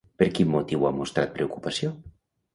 Per quin motiu ha mostrat preocupació?